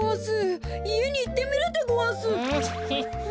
いえにいってみるでごわす。